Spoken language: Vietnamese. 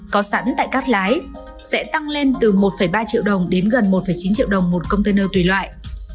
có sẵn tại các lái sẽ tăng lên từ một ba triệu đồng đến gần một chín triệu đồng một container tùy loại